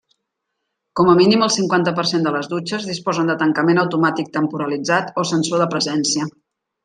Com a mínim el cinquanta per cent de les dutxes disposen de tancament automàtic temporalitzat o sensor de presència.